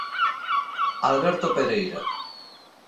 Alberto Pereira.